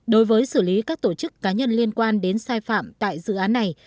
đối với xử lý các tổ chức cá nhân liên quan đến sai phạm tại dự án này